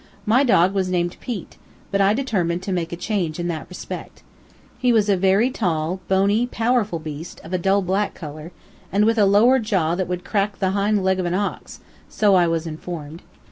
My dog was named Pete, but I determined to make a change in that respect. He was a very tall, bony, powerful beast, of a dull black color, and with a lower jaw that would crack the hind leg of an ox, so I was informed.